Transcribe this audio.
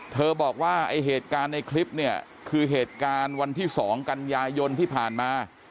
บอกว่าไอ้เหตุการณ์ในคลิปเนี่ยคือเหตุการณ์วันที่๒กันยายนที่ผ่านมา